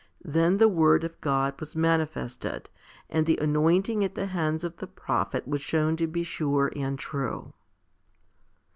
Then the word of God was manifested, and the anointing at the hands of the prophet was shewn to be sure and true.